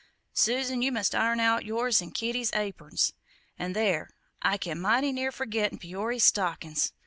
Susan, you must iron out yours an' Kitty's apurns; an' there, I came mighty near forgettin' Peory's stockin's!